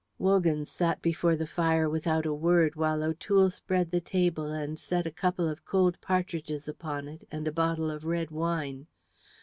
Wogan sat before the fire without a word while O'Toole spread the table and set a couple of cold partridges upon it and a bottle of red wine.